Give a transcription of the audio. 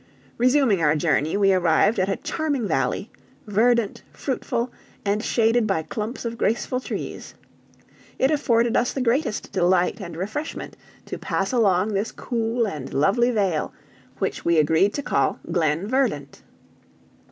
Resuming our journey, we arrived at a charming valley, verdant, fruitful, and shaded by clumps of graceful trees. It afforded us the greatest delight and refreshment to pass along this cool and lovely vale, which we agreed to call Glen Verdant.